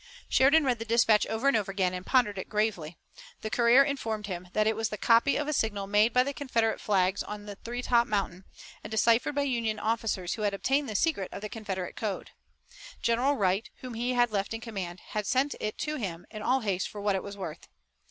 Sheridan read the dispatch over and over again, and pondered it gravely. The courier informed him that it was the copy of a signal made by the Confederate flags on Three Top Mountain, and deciphered by Union officers who had obtained the secret of the Confederate code. General Wright, whom he had left in command, had sent it to him in all haste for what it was worth.